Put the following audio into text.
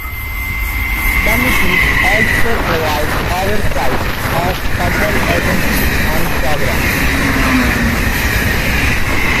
Committees also provide oversight of federal agencies and programs.